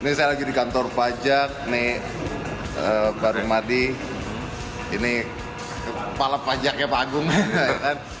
ini saya lagi di kantor pajak ini barung madi ini kepala pajaknya pak agung